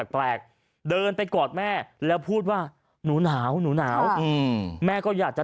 แปลกเดินไปกอดแม่แล้วพูดว่าหนูหนาวหนูหนาวแม่ก็อยากจะ